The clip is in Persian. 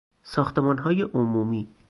ساختمانهای عمومی